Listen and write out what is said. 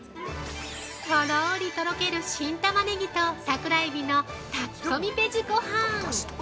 ◆とろりとろける新タマネギと桜えびの炊き込みベジごはん。